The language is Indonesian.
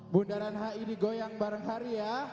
bundaran hi digoyang bareng hari ya